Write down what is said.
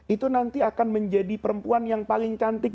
itu nanti akan menjadi perempuan yang paling cantik